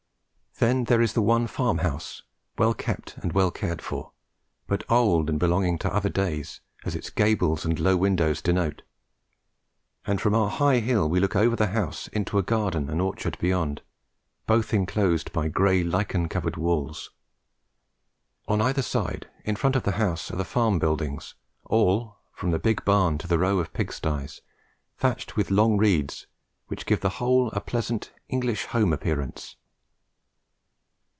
Then there is the one farm house, well kept and well cared for, but old and belonging to other days, as its gables and low windows denote; and from our high hill we look over the house into a garden and orchard beyond, both enclosed by grey lichen covered walls. On either side in front of the house are the farm buildings, all, from the big barn to the row of pigsties, thatched with long reeds, which give the whole a pleasant English home appearance.